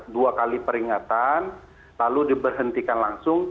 dua kali peringatan lalu diberhentikan langsung